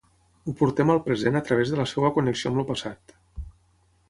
Ho portem al present a través de la seva connexió amb el passat.